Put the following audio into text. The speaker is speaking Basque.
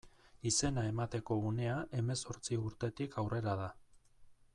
Izena emateko unea hemezortzi urtetik aurrera da.